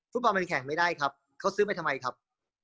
ฟุตบังบันแขกไม่ได้ครับเค้าซื้อไปทำไมครับ